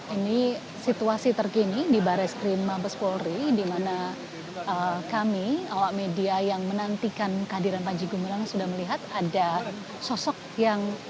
ini situasi terkini di baris krim mabes polri di mana kami awak media yang menantikan kehadiran panji gumilang sudah melihat ada sosok yang